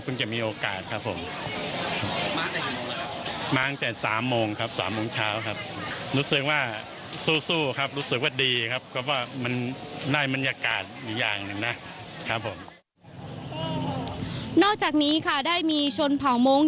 นอกจากนี้ค่ะได้มีชนเผามงค